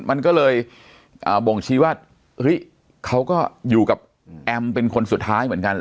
มันก็เลยบ่งชี้ว่าเฮ้ยเขาก็อยู่กับแอมเป็นคนสุดท้ายเหมือนกัน